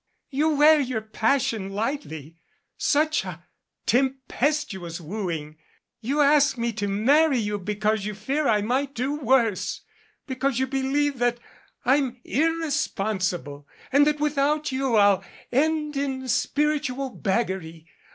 You wear your passion lightly. Such a tem pestuous wooing ! You ask me to marry you because you fear I might do worse because you believe that I'm irre sponsible, and that without you I'll end in spiritual beg gary.